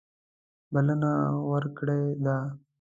بلنه ورکړې ده.